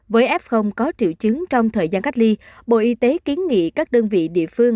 với f có triệu chứng trong thời gian cách ly bộ y tế kiến nghị các đơn vị địa phương